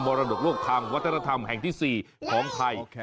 รดกโลกทางวัฒนธรรมแห่งที่๔ของไทย